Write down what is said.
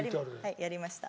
はいやりました。